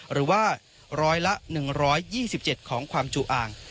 หรือว่า๑๐๐ละ๑๒๗ของความจู่อ่าง